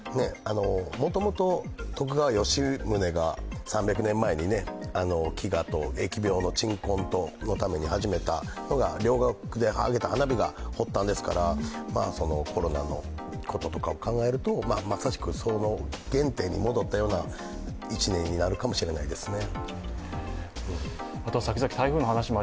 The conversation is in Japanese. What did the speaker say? もともと徳川吉宗が３００年前に飢餓と疫病の鎮魂のために始めた両国で上げた花火が発端ですから、コロナのこととかを考えるとまさしく原点に戻ったような１年になるかもしれないですね。